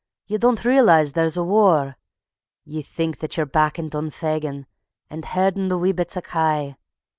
Ye don't realize there's a war. Ye think that ye're back in Dunvegan, and herdin' the wee bits o' kye."